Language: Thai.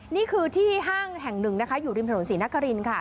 นี่คือที่ห้างแห่งหนึ่งนะคะอยู่ริมถนนศรีนครินค่ะ